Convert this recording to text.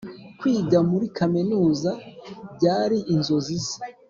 kwiga muri kaminuza byri inzozi ze